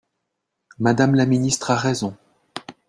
Madame la ministre a raison